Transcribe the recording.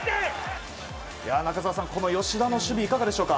中澤さん、吉田の守備いかがでしょうか。